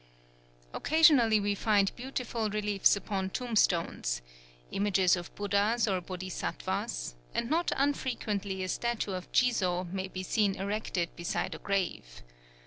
Occasionally we find beautiful reliefs upon tombstones, images of Buddhas or Bodhisattvas; and not unfrequently a statue of Jizō may be seen erected beside a grave.